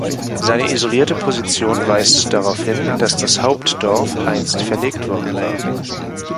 Seine isolierte Position weist darauf hin, dass das Hauptdorf einst verlegt worden war.